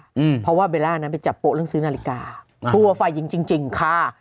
อืมเพราะว่าเบลล่านั้นไปจับโป๊เรื่องซื้อนาฬิกากลัวฝ่ายหญิงจริงจริงค่ะ